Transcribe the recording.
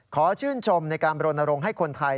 ขอชื่นชมในการบรณรงค์ให้คนไทย